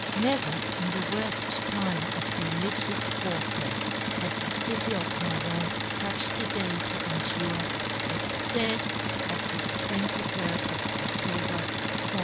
Never in the worft times of reli gious warfare had the city of Mai'ence fuch a day to endure as that of the 23 rd of Oftober, 1462.